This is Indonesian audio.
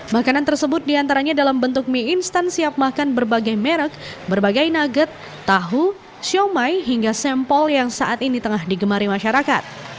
makanan tersebut diantaranya dalam bentuk mie instan siap makan berbagai merek berbagai nugget tahu siomay hingga sampel yang saat ini tengah digemari masyarakat